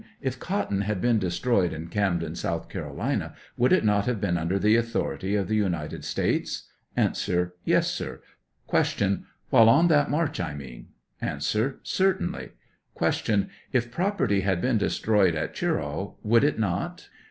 If cotton had been destroyed in Camden, South Carolina, would it not have been under the authority of the United States ? A. Yes, sir. Q. While on that march, I mean ?■ A. Certainly. Q. IF property had been destroved at Cheraw, would it not?